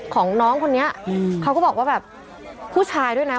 ของน้องคนนี้เขาก็บอกว่าแบบผู้ชายด้วยนะ